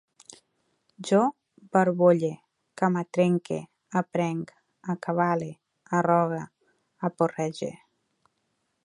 Jo barbolle, camatrenque, aprenc, acabale, arrogue, aporrege